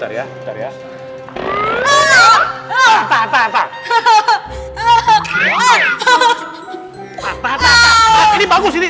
ini bagus ini